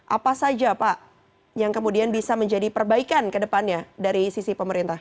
apa saja pak yang kemudian bisa menjadi perbaikan ke depannya dari sisi pemerintah